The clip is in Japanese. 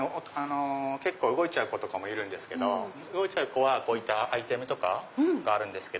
結構動いちゃう子もいるんですけど動いちゃう子はこういったアイテムとかがあるんです。